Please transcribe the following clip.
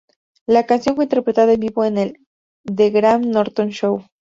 La canción fue interpretada en vivo en el "The Graham Norton Show".